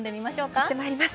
はい、いってまいります。